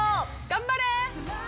頑張れ！